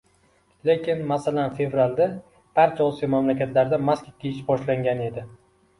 Lekin masalan Fevralda, barcha Osiyo mamlakatlarida maska kiyish boshlangan edi.